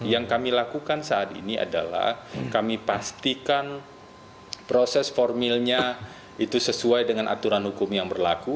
yang kami lakukan saat ini adalah kami pastikan proses formilnya itu sesuai dengan aturan hukum yang berlaku